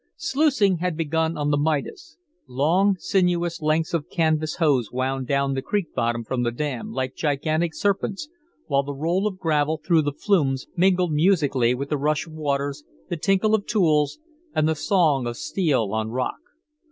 Sluicing had begun on the Midas. Long sinuous lengths of canvas hose wound down the creek bottom from the dam, like gigantic serpents, while the roll of gravel through the flumes mingled musically with the rush of waters, the tinkle of tools, and the song of steel on rock.